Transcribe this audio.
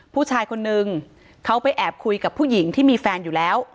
ผู้ชายคนนึงเขาไปแอบคุยกับผู้หญิงที่มีแฟนอยู่แล้ว